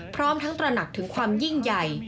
พร้อมทั้งตระหนักถึงความยิ่งใหญ่